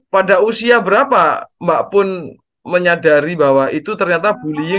pada usia berapa mbak pun menyadari bahwa itu ternyata bullying